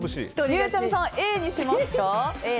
ゆうちゃみさんＡにしますか。